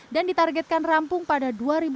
dan ditargetkan rampung pada dua ribu dua puluh satu